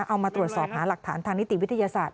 เอามาตรวจสอบหาหลักฐานทางนิติวิทยาศาสตร์